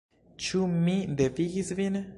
Ĉu mi devigis vin —?